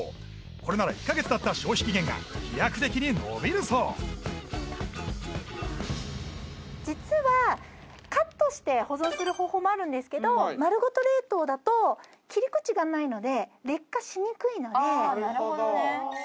これなら１カ月だった消費期限が飛躍的に延びるそう実はカットして保存する方法もあるんですけどまるごと冷凍だと切り口がないので劣化しにくいのでえっ